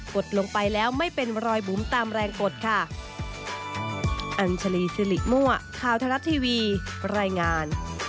ดลงไปแล้วไม่เป็นรอยบุ๋มตามแรงกดค่ะ